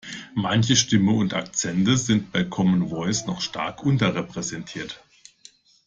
Manche Stimmen und Akzente sind bei Common Voice noch stark unterrepräsentiert.